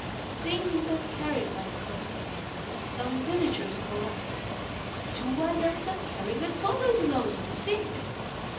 Seeing him thus carried by the hamsas, some villagers called out, "Two wild ducks are carrying a tortoise along on a stick!"